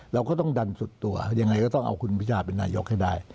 เราก็ต้องดันสุดตัวยังไงก็ต้องเอาคุณพิทาเป็นนายกให้ได้